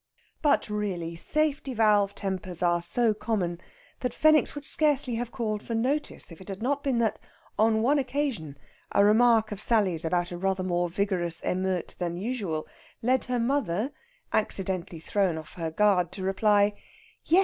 But really safety valve tempers are so common that Fenwick's would scarcely have called for notice if it had not been that, on one occasion, a remark of Sally's about a rather more vigorous émeute than usual led her mother, accidentally thrown off her guard, to reply: "Yes!